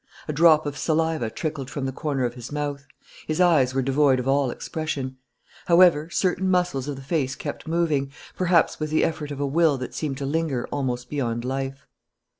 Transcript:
A drop of saliva trickled from the corner of his mouth. His eyes were devoid of all expression. However, certain muscles of the face kept moving, perhaps with the effort of a will that seemed to linger almost beyond life.